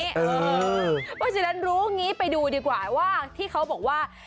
เพราะฉะนั้นรู้อย่างนี้ไปดูดีกว่าว่าที่เขาบอกว่า